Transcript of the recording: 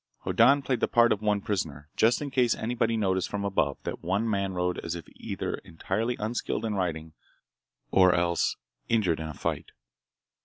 Hoddan played the part of one prisoner, just in case anybody noticed from above that one man rode as if either entirely unskilled in riding or else injured in a fight.